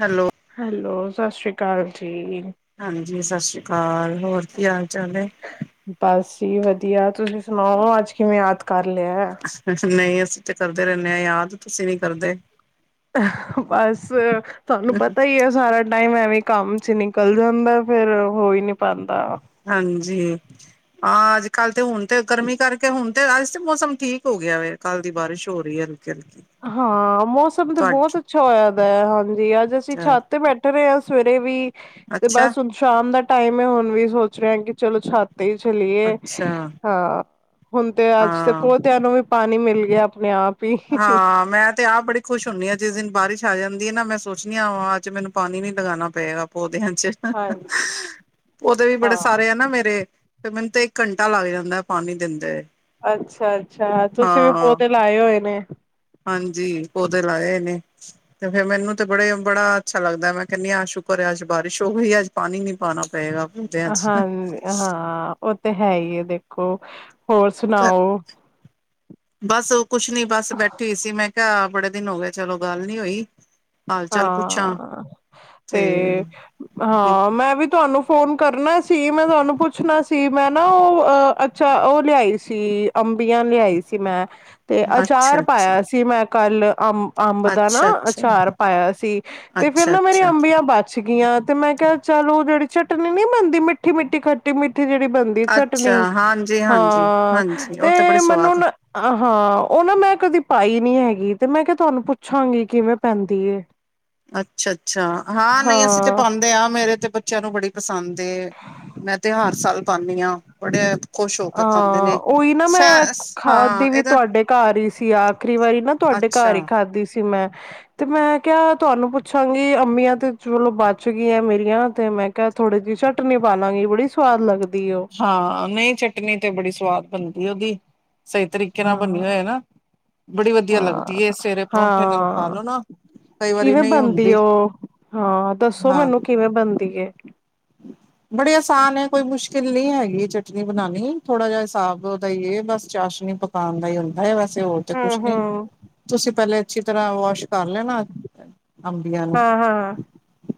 Hello. Hello, ਸਤਿ ਸ਼੍ਰੀ ਕਾਲ ਜੀ। ਹਾਂਜੀ, ਸਤਿ ਸ਼੍ਰੀ ਕਾਲ ਹੋਰ ਕੀ ਹਾਲ -ਚਾਲ ਏ। ਬਸ ਜੀ ਵਧੀਆ। ਤੁਸੀਂ ਸੁਣਾਓ ਅੱਜ ਕਿਵੇਂ ਯਾਦ ਕਰ ਲੇਯਾ? ਨਹੀਂ ਅਸੀਂ ਤੇ ਕਰਦੇ ਰੇਨੇ ਆ ਯਾਦ। ਤੁਸੀਂ ਨੀ ਕਰਦੇ। ਬਸ ਤਾਨੂੰ ਪਤਾ ਈਏ ਸਾਰਾ ਟਾਈਮ ਐਵੇ ਕੰਮ 'ਚ ਨਿਕਲ ਜਾਂਦਾ ਫੇਰ ਹੋ ਈ ਨੀ ਪਾਂਦਾ। ਹਾਂਜੀ। ਹਾਂ, ਅੱਜ ਕੱਲ੍ਹ ਤੇ ਹੁਨ ਤੇ ਗਰਮੀ ਕਰਕੇ ਹੁਨ ਤੇ ਅੱਜ ਤੇ ਮੌਸਮ ਠੀਕ ਹੋ ਗਿਆ ਵੇ। ਕੱਲ ਦੀ ਬਾਰਿਸ਼ ਹੋ ਰਈ ਏ, ਹਲਕੀ-ਹਲਕੀ। ਹਾਂ, ਮੌਸਮ ਤੇ ਬੋਤ ਅੱਛਾ ਹੋਇਆ ਦਾ ਹਾਂਜੀ, ਅੱਜ ਅਸੀਂ ਛਤ ਤੇ ਬੈਠ ਰਏ ਆਾਂ ਸਵੇਰੇ ਵੀ ਤੇ ਅੱਛਾ ਬਸ ਸ਼ਾਮ ਦਾ ਟਾਈਮ ਏ ਹੁਨ ਵੀ ਸੋਚ ਰੇਆ ਕਿ ਚਲੋ ਛੱਤ ਤੇ ਈ ਚਲੀਏ ਅੱਛਾ ਹਾਂ, ਹੁਨ ਤੇ ਅੱਜ ਤੇ ਹਾਂ ਪੋਧਆਂ ਨੂੰ ਵੀ ਪਾਨੀ ਮਿਲ ਗਿਆ ਆਪਨੇ ਆਪ। ਹੀ ਹਾਂ, ਮੈਂ ਤੇ ਆਪ ਬੜੀ ਖੁਸ਼ ਹੁੰਨੀ ਆ ਜਿਸ ਦਿਨ ਬਾਰਿਸ਼ ਆ ਜਾਂਦੀ ਏ ਨਾ ਮੈਂ ਸੋਚਨੀ ਆ ਅੱਜ ਮੈਨੂੰ ਪਾਨੀ ਨੀ ਲਗਾਨਾ ਪਏਗਾ ਪੌਧਆਂ 'ਚ ਹਾਂਜੀ ਪੋਧੇ ਵੀ ਬੜੇ ਹਾਂ। ਸਾਰੇ ਆ ਨਾ ਮੇਰੇ। ਤੇ ਮੈਨੂੰ ਤਾਂ ਇੱਕ ਘੰਟਾ ਲੱਗ ਜਾਂਦਾ ਪਾਨੀ ਦਿੰਦੇ ਹੋਏ। ਅੱਛਾ-ਅੱਛਾ, ਤੁਸੀਂ ਵੀ ਪੋਧੇ ਲਾਏ ਹੋਏ ਨੇ। ਹਾਂਜੀ, ਪੌਦੇ ਲਾਏ ਨੇ। ਤੇ ਫੇਰ ਮੈਨੂੰ ਤੇ ਬੜੇ ਬੜਾ ਅੱਛਾ ਲੱਗਦਾ ਮੈਂ ਕੇਨੀ ਆ ਸ਼ੁਕਰ ਅੱਜ ਬਾਰਿਸ਼ ਹੋਈ ਏ ਅੱਜ ਪਾਨੀ ਨੀ ਪਾਨਾ। ਪੈਰਾਂ ਹੂੰਝ ਹਾਂਜ ਹਾਂ ਉਹ ਤੇ ਹੈ ਹੀ ਹੈ ਦੇਖੋ ਹੋਰ ਸੁਣਾਓ ਬਸ ਕੁਛ ਨੀ ਬਸ ਬੈਠੀ ਹੋਈ ਸੀ ਮੈਂ ਕਿਹਾ ਬੜੇ ਦਿਨ ਹੋ ਗਏ ਚਲੋ ਗੱਲ ਨੀ ਹੋਈ ਹਾਲ ਚਾਲ ਪੁੱਛਾਂ ਹਾਂ ਤੇ ਹਾਂ ਮੈਂ ਵੀ ਤੁਹਾਨੂੰ ਫੋਨ ਕਰਨਾ ਸੀ ਮੈਂ ਤੁਹਾਨੂੰ ਪੁੱਛਣਾ ਸੀ ਮੈਂ ਨਾ ਉਹ ਓ ਅੱਛਾ ਉਹ ਲਿਆਈ ਸੀ ਅੰਬੀਆਂ ਲਿਆਈ ਸੀ ਮੈਂ ਤੇ ਅੱਛਾ ਅਚਾਰ ਅੱਛਾ ਪਾਇਆ ਸੀ ਮੈਂ ਕੱਲ ਅੰਬ ਅੰਬ ਦਾ ਨਾ ਅੱਛਾ ਅੱਛਾ ਅਚਾਰ ਪਾਇਆ ਸੀ ਤੇ ਫਿਰ ਅੱਛਾ ਨਾ ਮੇਰੀ ਅੱਛਾ ਅੰਬੀਆਂ ਬਚ ਗਈਆਂ ਤੇ ਮੈਂ ਕਿਹਾ ਚਲੋ ਉਹ ਜਿਹੜੀ ਚਟਨੀ ਨੀ ਬਣਦੀ ਮਿੱਠੀ ਮਿੱਠੀ ਖੱਟੀ ਮਿੱਠੀ ਜਿਹੜੀ ਬਣਦੀ ਦੀ ਚਟਣੀ ਅੱਛਾ ਹਾਂਜੀ ਹਾਂਜੀ ਹਾਂ ਹਾਂਜੀ ਤੇ ਉਹ ਬੜੇ ਮੈਨੂੰ ਸਵਾਦ ਨਾ ਆ ਹਾਂ ਉਹ ਨਾ ਮੈਂ ਕਦੀ ਪਾਈ ਨੀ ਹੈਗੀ ਤੇ ਮੈਂ ਕਿਹਾ ਤੁਹਾਨੂੰ ਪੁੱਛਾਂਗੀ ਕਿਵੇਂ ਪੈਂ ਦੀ ਏ ਅੱਛਾ ਅੱਛਾ ਹਾਂ ਨਹੀਂ ਅਸੀਂ ਤੇ ਪਾਉਂਦੇ ਹਾਂ ਮੇਰੇ ਤੇ ਬ ਬੱਚਿਆਂ ਨੂੰ ਬੜੀ ਪਸੰਦ ਏ ਮੈਂ ਤੇ ਹਰ ਸਾਲ ਪਾਉੰਦੀ ਹਾਂ ਬੜੇ ਖੁਸ਼ ਹੋ ਕੇ ਖਾਂਦੇ ਹਾਂ ਨੇ। ਉਹੀ ਨਾ ਮੈਂ ਸੈਸ ਖਾਦੀ ਹਾਂ ਵੀ ਇਹਦਾ ਤੁਹਾਡੇ ਘਰ ਹੀ ਸੀ ਆਖਰੀ ਵਰੀ ਨਾ ਤੁਹਾਡੇ ਘਰ ਅੱਛਾ। ਹੀ ਖਾਧੀ ਸੀ ਮੈਂ ਤੇ ਮੈਂ ਕਿਹਾ ਤੁਹਾਨੂੰ ਪੁੱਛਾਂਗੀ ਅੰਮੀਆਂ ਤੇ ਚਲੋ ਬਚ ਗਈਆਂ ਮੇਰੀਆਂ ਤੇ ਮੈਂ ਕਿਹਾ ਥੋੜੀ ਜਿਹੀ ਚਟਣੀ ਪਾਲਾਂਗੀ ਬੜੀ ਸਵਾਦ ਲੱਗਦੀ ਉਹ ਹਾਂ ਨਹੀਂ ਚਟਨੀ ਤੇ ਬੜੀ ਸਵਾਦ ਬਣਦੀ ਉਹਦੀ ਸਹੀ ਤਰੀਕੇ ਨਾਲ ਬਣੀ ਹਾਂ ਹੋਏ ਨਾ ਬੜੀ ਵਧੀਆ ਲੱਗਦੀ ਹਾਂ ਏ ਸਵੇਰੇ ਪਰੋਂਂਠੇ ਨਾਲ ਖਾ ਹਾਂ ਲੋ ਨਾ ਕਈ ਵਾਰੀ ਕਿਵੇਂ ਨਹੀਂ ਬਣਦੀ ਹੁੰਦੀ ਉਹ ਹਾਂ ਦੱਸੋ ਮੈਨੂੰ ਕਿਵੇਂ ਬਣਦੀ ਏ ਹਮ ਬੜੀ ਆਸਾਨ ਹੈ ਕੋਈ ਮੁਸ਼ਕਿਲ ਨਹੀਂ ਹੈਗੀ ਚਟਨੀ ਬਣਾਉਣੀ ਥੋੜਾ ਜਿਹਾ ਹਿਸਾਬ ਉਹਦਾ ਹੀ ਏ ਬਸ ਚਾਸ਼ਨੀ ਪ ਪਾਉਣ ਦਾ ਹੀ ਹੁੰਦਾ ਹੈ ਬਸ ਕਿਸੀ ਹੋਰ ਤੇ ਹੂੰ ਕੁਛ ਨੀ ਹੂੰ ਤੁਸੀਂ ਪਹਿਲੇ ਅੱਛੀ ਤਰ੍ਹਾਂ ਵਾਸ਼ ਕਰ ਲੈਣਾ ਅੰਬੀਆਂ ਨੂੰ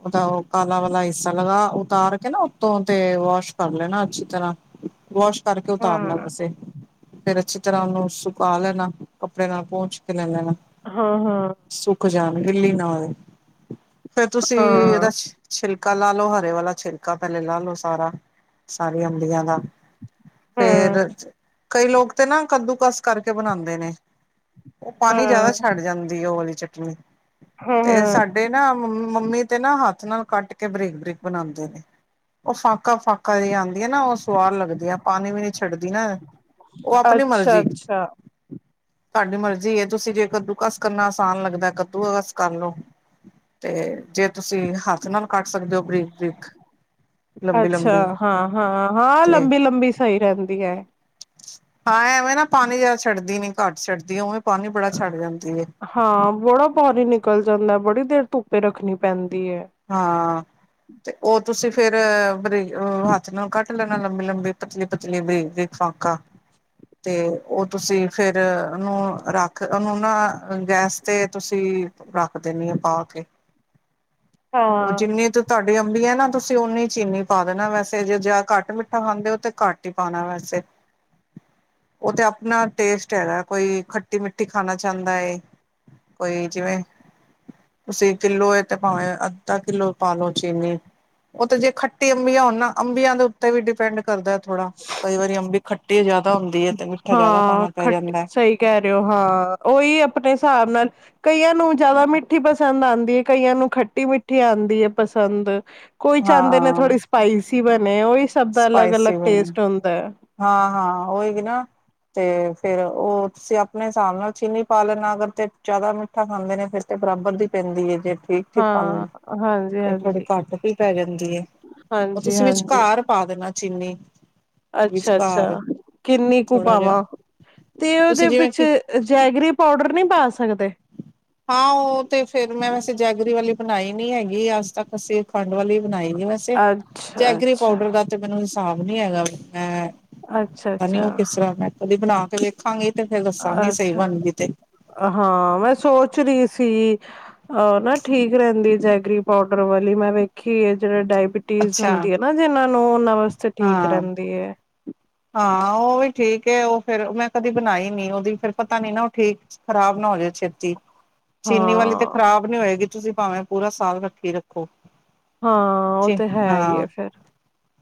ਉਹਦਾ ਉਹ ਕਾਲਾ ਵਾਲਾ ਹਿੱਸਾ ਲਗਾ ਉਹ ਉਤਾਰ ਕੇ ਨਾ ਉਤੋਂ ਤੇ ਵਾਸ਼ ਕਰ ਲੈਣਾ ਅੱਛੀ ਤਰ੍ਹਾਂ ਵਾਸ਼ ਕਰਕੇ ਉਤਾਰਨਾ ਵੈਸੇ ਫਿਰ ਅੱਛੀ ਤਰ੍ਹਾਂ ਉਹਨੂੰ ਸੁਕਾ ਲੈਣਾ ਕੱਪੜੇ ਨਾਲ ਪਹੁੰਚ ਕੇ ਲੈ ਲੈਣਾ ਹਾਂ ਹਾਂ ਸੁਖ ਜਾਣਗੀ ਗਿੱਲੀ ਨਾਲ ਫੇਰ ਤੁਸੀਂ ਇਹਦਾ ਛਿਲਕਾ ਲਾ ਲੋ ਹਰੇ ਵਾਲਾ ਛਿਲਕਾ ਪਹਿਲੇ ਲਾ ਲੋ ਸਾਰਾ ਸਾਰੀ ਅੰਬੀਆਂ ਦਾ ਫੇਰ ਕਈ ਲੋਕ ਤੇ ਨਾ ਕੱਦੂਕਸ ਕਰਕੇ ਬਣਾਉਂਦੇ ਨੇ ਉਹ ਪਾਣੀ ਜਿਆਦਾ ਛੱਡ ਜਾਂਦੀ ਉਹ ਵਾਲੀ ਚਟਨੀ ਤੇ ਸਾਡੇ ਨਾ ਮੰ ਮੰਮੀ ਤੇ ਨਾ ਹੱਥ ਨਾਲ ਕੱਟ ਕੇ ਬਰੀਕ ਬਰੀਕ ਬਣਾਉਂਦੇ ਉਹ ਫਾਕਾ ਫਾਕਾ ਜਿਹੀ ਆਉਂਦੀਆ ਨਾ ਉਹ ਸੁਆਰ ਲੱਗਦੀਆ ਪਾਣੀ ਵੀ ਨਹੀਂ ਛੱਡਦੀ ਨਾ ਉਹ ਆਪਣੀ ਮਰਜ਼ੀ ਅੱਛਾ-ਅੱਛਾ ਤੁਹਾਡੀ ਮਰਜ਼ੀ ਹੈ ਤੁਸੀਂ ਜੇਕਰ ਕੱਦੂ ਕਸ ਕਰਨਾ ਆਸਾਨ ਲੱਗਦਾ ਕੱਦੂ ਕਸ ਕਰ ਲਓ ਤੇ ਜੇ ਤੁਸੀਂ ਹੱਥ ਨਾਲ ਕੱਟ ਸਕਦੇ ਹੋ ਬਰੀਕ ਬਰੀਕ ਲੰਬੀ ਅੱਛਾ ਲੰਬੀ ਹਾਂ ਹਾਂ ਹਾਂ ਤੇ ਲੰਬੀ ਲੰਬੀ ਸਹੀ ਰਹਿੰਦੀ ਐ ਹਾਂ ਐਵੇਂ ਨਾ ਪਾਣੀ ਜਿਆ ਛੱਡਦੀ ਨੀ ਘੱਟ ਛੱਡਦੀ ਉਵੇਂ ਪਾਣੀ ਬੜਾ ਛੱਡ ਜਾਂਦੀ ਏ ਹਾਂ ਬੜਾ ਬਾਰੀ ਨਿਕਲ ਜਾਂਦਾ ਬੜੀ ਦੇਰ ਧੁੱਪੇ ਰੱਖਣੀ ਪੈਂਦੀ ਏ ਹਾਂ ਤੇ ਉਹ ਤੁਸੀਂ ਫੇਰ ਬਰੀ ਹੱਥ ਨਾਲ ਕੱਟ ਲੈਣਾ ਲੰਬੀ ਲੰਬੀ ਪਤਲੀ ਪਤਲੀ ਬਰੀਕ ਬਰੀਕ ਫਾਕਾ ਤੇ ਉਹ ਤੁਸੀਂ ਫੇਰ ਉਹਨੂੰ ਰੱਖ ਉਹਨੂੰ ਨਾ ਗੈਸ ਤੇ ਤੁਸੀਂ ਰੱਖ ਦਣੀ ਹਾਂ ਪਾ ਕੇ। ਉਹ ਹਾਂ-ਹਾਂ ਜਿਨੀ ਚ- ਤੁਹਾਡੀ ਅੰਬੀ ਹੈ ਨਾ ਤੁਸੀਂ ਉਨੀ ਚੀਨੀ ਪਾ ਦੇਣਾ ਵੈਸੇ ਜੇ ਜ ਘੱਟ ਮਿੱਠਾ ਖਾਂਦੇ ਹੋ ਤਾਂ ਘੱਟ ਹੀ ਪਾਉਣਾ ਵੈਸੇ। ਉਹ ਤੇ ਆਪਣਾ ਟੇਸਟ ਹੈਗਾ ਕੋਈ ਖੱਟੀ- ਮਿੱਠੀ ਖਾਣਾ ਚਾਹੁੰਦਾ ਹੈ। ਕੋਈ ਜਿਵੇਂ ਤੁਸੀਂ ਕਿਲੋ ਹੈ ਤੇ ਭਾਵੇਂ ਅਧਾ ਕਿੱਲੋ ਪਾਾਲੋ ਚੀਨੀ ਉਹ ਤੇ ਜੇ ਖੱਟੀ ਅੰਬੀਆਂ ਹੋ ਨਾ ਅੰਬੀਆਂ ਦੇ ਉੱਤੇ ਵੀ ਡਿਪੈਂਡ ਕਰਦਾ ਥੋੜਾ, ਕਈ ਵਾਰੀ ਅੰਬੀ ਖੱਟੀ ਜਿਆਦਾ ਹੁੰਦੀ ਹੈ ਤੇ ਮਿੱਠਾ ਜਿਆਦਾ ਪਾਉਣਾ ਪੈ ਖੱਟ ਜਾਂਦਾ ਹੈ। ਸਹੀ ਕਹਿ ਰਹੇ ਹੋ ਹਾਂ ਉਹੀ ਆਪਣੇ ਹਿਸਾਬ ਨਾਲ। ਕਈਆਂ ਨੂੰ ਜ਼ਿਆਦਾ ਮਿੱਠੀ ਪਸੰਦ ਆਉਂਦੀ ਹੈ ਕਈਆਂ ਨੂੰ ਖੱਟੀ- ਮਿੱਠੀ ਆਉਂਦੀ ਹੈ ਪਸੰਦ। ਕੋਈ ਚਾਹੁੰਦੇ ਨੇ ਹਾਂ ਥੋੜੀ ਸਪਾਈਸੀ ਬਣੇ ਉਹੀ ਸਭ ਦਾ ਅਲੱਗ- ਅਲਗ ਟੇਸਟ ਹੁੰਦਾ ਹੈ। ਹਾਂ- ਹਾਂ ਓ ਹੀ ਗੀ ਨਾ। ਤੇ ਫੇਰ ਉਹ ਤੁਸੀਂ ਆਪਣੇ ਹਿਸਾਬ ਨਾਲ ਚੀਨੀ ਪਾ ਲੈਣਾ ਅਗਰ ਤੇ ਜ਼ਿਆਦਾ ਮ- ਮਿਠਾ ਖਾਂਦੇ ਨੇ ਫੇਰ ਤੇ ਬਰਾਬਰ ਦੀ ਪੈਂਦੀ ਹੈ ਜੇ। ਠੀਕ- ਠੀਕ ਖਾਨ ਹਾਂ ਹਾਂਜੀ ਤੇ ਫੇਰ ਹਾਂਜੀ ਘੱਟ ਵੀ ਪੈ ਜਾਂਦੀ ਹੈ, ਉਹ ਹਾਂਜੀ ਤੁਸੀਂ ਹਾਂਜੀ ਵਿਚਕਾਰ। ਪਾ ਦੇਣਾ ਚੀਨੀ। ਅੱਛਾ- ਅੱਛਾ ਵਿਚਕਾਰ ਕਿੰਨੀ ਕੁ ਥੋੜਾ ਜਿਹਾ ਪਾਵਾਂ ਤੇ ਉਹਦੇ ਤੁਸੀਂ ਜਿਵੇਂ ਕਿ ਪਿੱਛੇ- ਜੈਗਰੀ ਪਾਊਡਰ ਨਹੀਂ ਪਾ ਸਕਦੇ। ਹਾਂ ਉਹ ਤੇ ਫੇਰ ਮੈਂ ਵੈਸੇ ਜੈਗਰੀ ਵਾਲੀ ਬਣਾਈ ਨੀ ਹੈਗੀ ਅੱਜ ਤੱਕ ਅਸੀਂ, ਖੰਡ ਵਾਲੀ ਬਣਾਈ ਹੈ ਵੈਸੇ ਅੱਛਾ ਚੈਗਰੀ ਅੱਛਾ ਪਾਊਡਰ ਦਾ ਤੇ ਮੈਨੂੰ ਹਿਸਾਬ ਨੀ ਹੈਗਾ, ਮੈਂ ਅੱਛਾ ਪਤਾ ਨੀ ਅੱਛਾ ਉਹ ਕਿਸ ਤਰਾਂ ਮੈਂ ਕਦੀ ਬਣਾ ਕੇ ਵੇਖਾਂਗੀ ਤੇ ਫੇਰ ਦੱਸਾਂਗੀ ਸਹੀ ਅੱਛਾ ਬਣ ਗਈ ਤੇ, ਹਾਂ ਮੈਂ ਸੋਚ ਰਹੀ ਸੀ। ਹਾ ਨਾ ਠੀਕ ਰਹਿੰਦੀ ਜੈਗਰੀ ਪਾਊਡਰ ਵਾਲੀ ਮੈਂ ਵੇਖੀ ਹੈ ਜਿਹੜੇ ਡਾਇਬ ਚੀਜ਼ ਅੱਛਾ ਹੁੰਦੀ ਹੈ ਨਾ ਜਿਹਨਾਂ ਨੂੰ, ਉਹਨਾਂ ਵਾਸਤੇ ਠੀਕ ਹਾਂ ਰਹਿੰਦੀ ਹੈ। ਹਾਂ ਉਹ ਵੀ ਠੀਕ ਉਹ ਫੇਰ ਮੈਂ ਕਦੀ ਬਣਾਈ ਨੀ ਉਹਦੀ ਫੇਰ ਪਤਾ ਨੀ ਨਾ ਉਹ ਠੀਕ ਖ਼ਰਾਬ ਨਾ ਹੋ ਜਾਏ ਛੇ- ਚੀਨੀ ਵਾਲੀ ਤੇ ਹਾਂ ਖ਼ਰਾਬ ਨੀ ਹੋਏਗੀ ਤੁਸੀਂ ਭਾਵੇਂ ਪੂਰਾ ਸਾਲ ਰੱਖੀ ਰੱਖੋ। ਹਾਂ ਉਹ ਚੀ ਤੇ ਹੈ ਹੀ ਹੈ ਹਾਂ ਫੇਰ।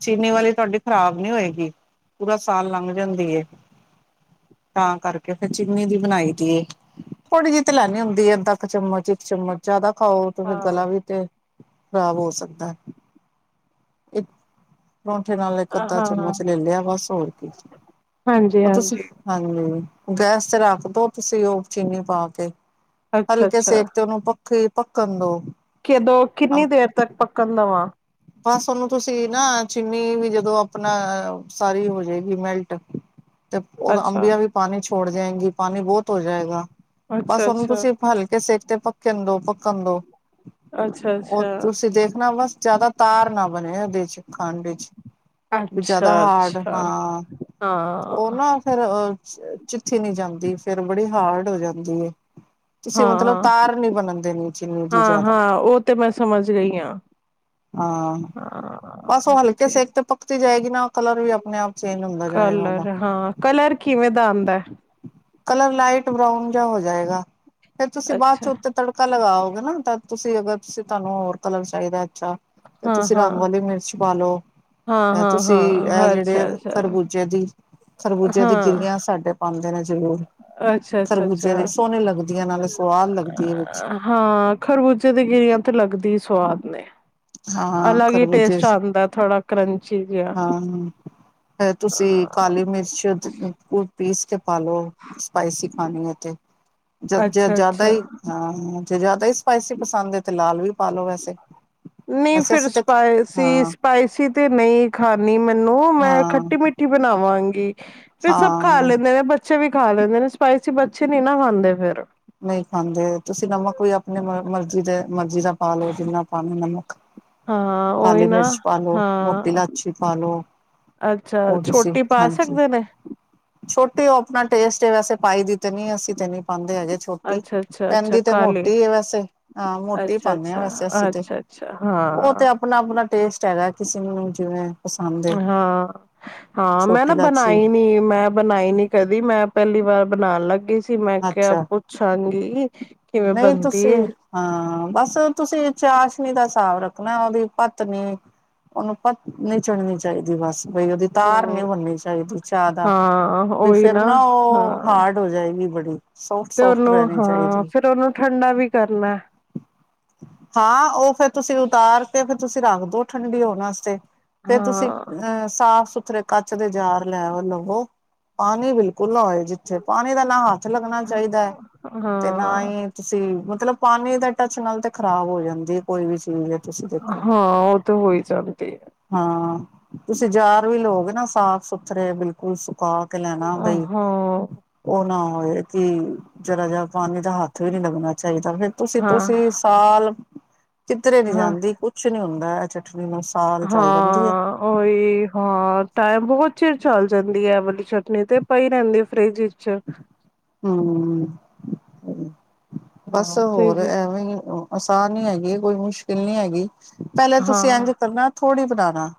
ਚੀਨੀ ਵਾਲੀ ਤੁਹਾਡੀ ਖ਼ਰਾਬ ਨੀ ਹੋਏਗੀ। ਪੂਰਾ ਸਾਲ ਲੰਘ ਜਾਂਦੀ ਐ ਤਾਂ ਕਰਕੇ ਫੇਰ ਚੀਨੀ ਦੀ ਬਣਾਈ ਦੀਏ। ਥੋੜੀ ਜਿਹੀ ਤੇ ਲੈਣੀ ਹੁੰਦੀ ਐ ਅੱਧਾ ਚਮਚ ਇੱਕ ਚਮਚ ਜਿਆਦਾ ਖਾਓ ਤੇ ਫੇਰ ਗਲਾ ਹਾਂ ਵੀ ਤੇ, ਖਰਾਬ ਹੋ ਸਕਦਾ ਹੈ। ਪਰੌਂਠੇ ਨਾਲ ਇੱਕ ਅੱਧਾ ਹਾਂ ਚਮਚ ਲੈ ਲਿਆ ਬਸ ਹੋਰ ਕੀ, ਹਾਂਜੀ ਉਹ ਤੇ ਹਾਂਜੀ ਸੀਂਰਫ। ਹਾਂਜੀ ਗੈਸ ਤੇ ਰੱਖਦੋ ਤੁਸੀਂ ਉਹ ਚੀਨੀ ਪਾ ਕੇ, ਅੱਛਾ ਹਲਕੇ ਅੱਛਾ ਸੇਕ ਤੇ ਉਹਨੂੰ ਪੱਖੀ ਪੱਕਣ ਦੋ, ਕਿਦੋਂ ਕਿੰਨੀ ਦੇਰ ਤੱਕ ਪੱਕਣ ਦਾ ਵਾਂ। ਬਸ ਉਹਨੂੰ ਤੁਸੀਂ ਨਾ ਚੀਨੀ ਵੀ ਜਦੋਂ ਆਪਣਾ ਸਾਰੀ ਹੋ- ਜਾਏਗੀ ਮੈਲਟ ਤੇ ਉਹ ਅੱਛਾ ਅੰਬੀਆਂ ਵੀ ਪਾਣੀ ਛੋੜ ਜਾਏਗੀ ਪਾਣੀ ਬਹੁਤ ਹੋ ਜਾਏਗਾ। ਅੱਛਾ ਬਸ ਉਹਨੂੰ ਅੱਛਾ ਤੁਸੀਂ ਹਲਕੇ ਸੇਟ ਤੇ ਪੱਕਣ ਦੋ- ਪੱਕਣ ਦੋ। ਅੱਛਾ ਉਹ ਅੱਛਾ ਤੁਸੀਂ ਦੇਖਣਾ ਬਸ ਜ਼ਿਆਦਾ ਤਾਰ ਨਾ ਬਣੇ ਉਹਦੇ ਚ ਖੰਡ ਵਿੱਚ। ਵੀ ਅੱਛਾ- ਜ਼ਿਆਦਾ ਹਾਰਡ ਅੱਛਾ। ਹਾਂ ਉਹ ਹਾਂ ਨਾ ਫੇਰ ਅ ਚ, ਚਿੱਥੀ ਨੀ ਜਾਂਦੀ ਫੇਰ ਬੜੀ ਹਾਰਡ ਹੋ ਜਾਂਦੀ ਐ। ਤੁਸੀਂ ਮਤਲਬ ਹਾਂ ਤਾਰ ਨੀ ਬਣਨ ਦੇਣੀ ਚਿੰਨੀ ਦੀ ਹਾਂ ਜ਼ਿਆਦਾ। ਹਾਂ ਉਹ ਤੇ ਮੈਂ ਸਮਝ ਗਈ ਹਾਂ ਹਾਂ ਬਸ ਉਹ ਹਲਕੇ ਸੇਕ 'ਤੇ ਪੱਕਤੀ ਜਾਏਗੀ ਨਾ ਕਲਰ ਵੀ ਆਪਣੇ ਆਪ ਚੇਂਜ ਹੁੰਦਾ ਜਾਏਗਾ ਔਦਾ। ਕਲਰ ਹਾਂ ਕਲਰ ਕਿਵੇਂ ਦਾ ਆਂਦਾ ਐ। ਕਲਰ ਲਾਈਟ ਬਰਾਊਨ ਜਿਹਾ ਹੋ ਜਾਏਗਾ ਫੇਰ ਤੁਸੀਂ ਬਾਅਦ ਚ ਅੱਛਾ ਉਤ ਤੜਕਾ ਲਗਾਓਗੇ ਨਾ ਤਾਂ ਤੁਸੀਂ ਅਗਰ ਤੁਸੀਂ ਤੁਹਾਨੂੰ ਹੋਰ ਕਲਰ ਚਾਈਦਾ ਅੱਛਾ। ਤੇ ਹਾਂ ਤੁਸੀਂ ਹਾਂ ਰੰਗ ਵਾਲੀ ਮਿਰਚ ਪਾਲੋ। ਹਾਂ ਇਹ ਹਾਂ ਤੁਸੀਂ ਇਹ ਹਾਂ ਜੇੜੇ ਅੱਛਾ ਅੱਛਾ ਖਰਬੂਜੇ ਦੀ, ਖਰਬੂਜੇ ਦੀ ਹਾਂ ਗਿੱਲੀਆਂ ਸਾਡੇ ਪਾਂਦੇ ਨੇ ਜ਼ਰੂਰ, ਅੱਛਾ ਅੱਛਾ ਖਰਬੂਜੇ ਦੇ ਅੱਛਾ ਸੋਹਣੀ ਲੱਗਦੀ ਏ ਨਾਲੇ ਸਵਾਦ ਲੱਗਦੀ ਏ ਵਿੱਚ। ਹਾਂ ਖਰਬੂਜੇ ਦੇ ਗਿਰੀਆਂ ਤੇ ਲੱਗਦੀ ਸਵਾਦ ਨੇ। ਹਾਂ ਅਲੱਗ ਈ ਖਰਬੂਜੇ ਟੇਸਟ ਆਂਦਾ ਥੋੜਾ ਕਰੰਚੀ ਜੇਆ। ਹਾਂ। ਫੇਰ ਤੁਸੀਂ ਕਾਲੀ ਮਿਰਚ ਕੁ ਪੀਸ ਕੇ ਪਾਲੋ ਸਪਾਈਸੀ ਪਾਣੀ ਏ 'ਤੇ ਜ-ਜ ਜ਼ਿਆਦਾ ਅੱਛਾ-ਅੱਛਾ ਈ ਹਾਂ ਜੇ ਜ਼ਿਆਦਾ ਈ ਸਪਾਈਸੀ ਪਸੰਦ ਏ ਤੇ ਲਾਲ ਵੀ ਪਾਂ ਲੋ ਵੈਸੇ। ਨਈ ਵੈਸੇ ਫਿਰ ਅਸੀਂ ਤਾਂ ਹਾਂ ਸਪਾਈਸੀ-ਸਪਾਈਸੀ ਤੇ ਨਈਂ ਖਾਣੀ ਮੈਨੂੰ ਮੈਂ ਹਾਂ ਖੱਟੀ ਮਿੱ ਠੀ ਬਣਾਵਾਂਗੀ ਫੇਰ ਸਭ ਖਾ ਹਾਂ ਲੈਂਦੇ ਨੇ ਬ ਚੇ ਵੀ ਖਾ ਲੈਂਦੇ ਨੇ ਸਪਾਈਸੀ ਬੱਚੇ ਨੀ ਨਾ ਖਾਂਦੇ ਫੇਰ। ਨਈ ਖਾਂਦੇ। ਤੁਸੀਂ ਨਮਕ ਵੀ ਆਪਣੇ ਮ ਮਰਜੀ ਦੇ ਮਰਜੀ ਦਾ ਪਾਲੋ ਜਿੰਨਾ ਪਾਨਾ ਨਮਕ, ਹਾਂ ਉਹੀ ਕਾਲੀ ਨਾ ਮਿਰਚ ਪਾ ਲੋ, ਮੋਟੀ ਹਾਂ ਲਾਚੀ ਪਾ ਲੋ। ਅੱਛਾ, ਉਹ ਤੁਸੀਂ ਛੋਟੀ ਪਾ ਹਾਂਜੀ। ਸਕਦੇ ਨੇ। ਛੋਟੀ ਓ ਆਪਣਾ ਟੇਸਟ ਏ ਵੈਸੇ ਪਾਈ ਦੀ ਤੇ ਨੀਂ ਅਸੀਂ ਤੇ ਨੀ ਪਾਂਦੇ ਹੈਗੇੇ ਛੋਟੀ ਅੱਛਾ-ਅੱਛਾ-ਅੱਛਾ ਪੈਂਦੀ 'ਤੇ ਕਾਲੀ ਮੋਟੀ ਏ ਵੈਸੇ ਹਾਂ ਮੋਟੀ ਪਾਂਨੇ ਆ ਵੈਸੇ ਅਸੀਂ 'ਤੇ। ਛਾ ਹਾਂ। ਓ ਤੇ ਆਪਣਾ-ਆਪਣਾ ਟੇਸਟ ਹੈਗਾ ਐ ਕਿਸੇ ਨੂੰ ਜਿਵੇਂ ਪਸੰਦ ਏ ਹਾਂ- ਹਾਂ ਮੈਂ ਨਾ ਛੋਟੀ ਲਾਚੀ ਬਣਾਈ ਨੀ ਮੈਂ ਬਣਾਈ ਨੀ ਕਦੀ ਮੈਂ ਪੈਲੀ ਵਾਰ ਬਣਾਣ ਲੱਗੀ ਸੀ, ਮੈਂ ਕੇਹਾ ਪੁੱਛਾਂਗੀ। ਕਿਵੇਂ ਨਈ ਬਣਦੀ ਤੁਸੀਂ ਏ ਹਾਂ ਬਸ ਤੁਸੀਂ ਚਾਸ਼ਨੀ ਦਾ ਸਾਬ ਰੱਖਣਾ ਔਦੀ ਪੱਤ ਨੀ ਓਨੂੰ ਪੱਤ ਨਈ ਚੜਨੀ ਚਾਈਦੀ ਬਸ। ਬਈ ਔਦੀ ਤਾਰ ਹੂੰ ਨੀ ਬਣਨੀ ਚਾਈਦੀ ਜਿਆਦਾ ਹਾਂ ਵੀ ਉਹੀ ਫੇਰ ਨਾ ਓ ਹਾਂ ਹਾਰਡ ਹੋ ਜਾਏਗੀ ਬੜੀ। ਸੋਫਟ 'ਤੇ ਸੋਫਟ ਓਨੂੰ ਰਹਿਣੀ ਹਾਂ ਚਾਹੀਦੀ। ਫੇਰ ਓਨੂੰ ਠੰਡਾ ਵੀ ਕਰਨਾ। ਹਾਂ ਉਹ ਫੇਰ ਤੁਸੀਂ ਉਤਾਰ ਕੇ ਫੇਰ ਤੁਸੀਂ ਰੱਖ ਦੋ ਠੰਡੀ ਹੋਣ ਆਸਤੇ। ਤੇ ਤੁਸੀਂ ਹਾਂ ਅਹ ਸਾਫ਼ ਸੁਥਰੇ ਕੱਚ ਦੇ ਜਾਰ ਲੈ ਲਵੋ, ਪਾਣੀ ਬਿਲਕੁਲ ਨਾ ਓਏ ਜਿੱ ਥੇ ਪਾਣੀ ਦਾ ਨਾ ਹੱਥ ਲੱਗਣਾ ਚਾਈਦਾ ਐ 'ਤੇ ਨਾ ਹਾਂ ਈ ਤੁਸੀਂ ਮਤਲਬ ਪਾਣੀ ਦੇ ਟੱਚ ਨਾਲ ਤੇ ਖ਼ਰਾਬ ਹੋ ਜਾਂਦੀ ਏ ਕੋਈ ਵੀ ਚੀਜ਼। ਤੁਸੀਂ ਦੇਖੋ। ਹਾਂ ਓਹ ਤੇ ਹੋਈ ਜਾਂਦੀ ਏ। ਹਾਂ ਤੁਸੀਂ ਜਾਰ ਵੀ ਲੋਗੇ ਨਾ ਸਾਫ਼-ਸੁਥਰੇ ਬਿਲਕੁੱਲ ਸੁਕਾ ਕੇ ਲੈਣਾ ਹਾਂ ਬਈ, ਹਾਂ ਉਹ ਨਾ ਹੋਏ ਕਿ ਜਰਾ ਜਿਹਾ ਪਾਣ ਹੱਥ ਵੀ ਨੀ ਲੱਗਣਾ ਚਾਈਦਾ ਫੇਰ ਤੁਸੀਂ-ਤੁਸੀਂ ਸਾਲ ਕਿਧਰੇ ਨੀ ਹਾਂ ਜਾਂਦੀ ਕੁ ਛ ਨੀ ਹੁੰਦਾ ਐ ਚਟਨੀ ਅਸ। ਹਾਂ। ਓਈ ਹਾਂ ਟਾਈਮ ਬੋਤ ਚਿਰ ਚੱਲ ਜਾਂਦੀ ਐ ਵਾਲੀ ਚਟਨੀ ਤੇ ਪਈ ਰੇਂਦੀ ਏ ਫਰਿੱਜ ਵਿ ਚ। ਹੂੰ। ਬਸ ਹਾਂ ਹੋਰ ਫਰਿਜ ਐਵੇਂ ਈ ਆਸਾਨ ਈ ਹੈਗੀ, ਕੋਈ ਮੁਸ਼ਕਿਲ ਨੀ ਐਗੀ। ਪਹਿਲੇ ਹਾਂ ਤੁਸੀਂ ਇੰਝ ਕਰਨਾ, ਥੋੜ੍ਹੀ ਬਣਾਣਾ।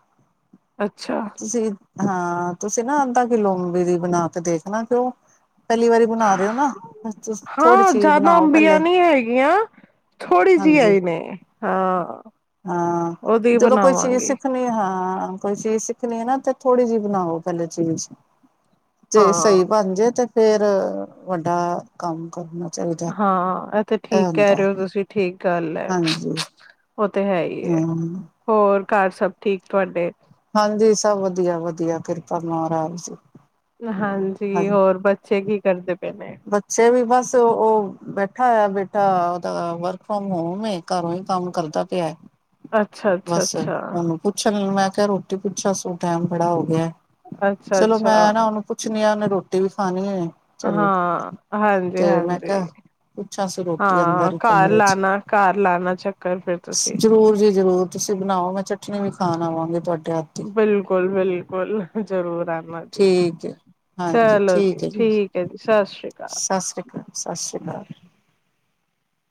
ਅੱਛਾ! ਤੁਸੀਂ ਹਾਂ, ਤੁਸੀਂ ਨਾ ਅੱਧਾ ਕਿਲੋਬਰੀ ਬਣਾ ਕੇ ਦੇਖਣਾ ਕਿਂ ਪਹਿਲੀ ਵਾਰੀ ਬਣਾ ਰਹੇ ਹੋ ਨਾ, ਤੁ ਥੋੜ੍ਹੀ ਚਿਜ਼ ਬਣਾਓ ਪਹਿਲੇ ਬਨੀ ਹੈਗੀਆਂ, ਥੋੜ੍ਹੀ ਜਿਹੀ ਹਾਂਜੀ ਆਈ ਨੇ, ਹਾਂ। ਹਾਂ, ਉਹਦੀ ਜਦੋਂ ਕੋਈ ਚੀਜ਼ ਬਣਾਵਾਂਗੀ ਸਿੱਖਣੀ, ਹਾਂ ਕੋਈ ਚੀਜ਼ ਸਿੱਖਣੀ ਹੈ ਨਾ, ਤੇ ਥੋੜੀ ਜਿਹੀ ਬਣਾਵੋ ਪਹਿਲੇ ਚੀਜ਼, ਤੇ ਸਹੀ ਹਾਂ ਬਣ ਜਾੇ ਤੇ ਫੇਿਰ, ਵੱਡਾ ਕੰਮ ਕਰਨਾ ਚਾਹੀਦਾ ਹਾਂ, ਇਹ ਤੇ ਠੀਕ ਕਹਿ ਰਹੇ ਹੋ ਤੁਸੀਂ ਠੀਕ ਗੱਲ ਹੈ, ਹਾਂਜੀ ਉਹ ਤੇ ਹੈ ਹੀ ਹੈ। ਹਾਂ ਹੋਰ, ਘਰ ਸਭ ਠੀਕ ਤੁਹਾਡੇ? ਹਾਂਜੀ, ਸਭ ਵਧੀਆ ਵਧੀਆ, ਕਿਰਪਾ ਮਹਾਰਾਜ ਜੀ। ਹਾਂਜੀ, ਹੋਰ ਬੱਚੇ ਕੀ ਕਰਦੇ ਪਏਣੇ? ਬੱਚੇ ਵੀ ਬਸ ਉਹ, ਬੈਠਾ ਹੋਇਆ ਬੇਟਾ, ਉਹਦਾ ਵਰਕ ਫਰੋਮ ਹੋਮ ਏ ਘਰੋਂ ਹੀ, ਕੰਮ ਕਰਦਾ ਪਿਆ। ਅੱਛਾ ਅੱਛਾ ਬਸ ਅੱਛਾ ਉਹਨੂੰ ਪੁੱਛਣ ਮੈਂ ਕਿਹਾ, ਰੋਟੀ ਪੁੱਛਾ ਸ ਟੈਮ ਬੜਾ ਹੋ ਗਿਆ। ਅੱਛਾ ਚਲੋ, ਮੈਂ ਅੱਛਾ ਨਾ ਉਹਨੂੰ ਪੁੱਛਣੀ ਆ, ਉਹਨੇ ਰੋਟੀ ਵੀ ਖਾਣੀ ਚਲੋ ਹਾਂ, ਹਾਂਜੀ ਤੇ ਮੈਂ ਹਾਂਜੀ। ਕਿਹਾ ਪੁੱਛਾਂ ਸੀ ਰੋਟੀ ਹਾਂ ਅੰਦਰ ਹੀ ਘਰ ਕਮਰੇ ਚ ਲਾਣਾ, ਘਰ ਲਾਣਾ ਚੱਕਰ ਫਿਰ ਤੁਸੀਂ ਜ਼ਰੂਰ ਜੀ ਜ਼ਰੂਰ ਤੁਸੀਂ ਬਣਾਓ, ਮੈਂ ਚਟਨੀ ਵੀ ਖਾਣ ਆਵਾਂਗੀ, ਤੁਹਾਡੇ ਹੱਥ ਦੀ ਬਿਲਕੁਲ, ਬਿਲਕੁਲ ਬੋਲਣਾ ਜ਼ਰੂਰ ਆਨਾ ਜੀ, ਠੀਕ ਹੈ ਹਾਂਜੀ ਚਲੋ ਜੀ ਹੈ ਠੀਕ ਹੈ ਜੀ, ਸਤਿ ਸ਼੍ਰੀ ਅਕਾਲ। ਸਤਿ ਸ੍ਰੀ ਸਤਿ ਸ਼੍ਰੀ ਅਕਾਲ।